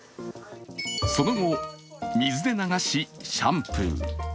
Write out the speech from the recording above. その後、水で流しシャンプー。